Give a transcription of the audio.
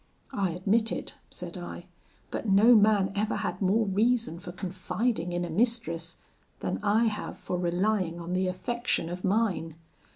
'I admit it,' said I, 'but no man ever had more reason for confiding in a mistress, than I have for relying on the affection of mine.